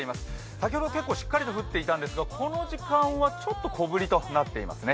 先ほど結構しっかりと降っていたんですが、この時間はちょっと小降りとなっていますね。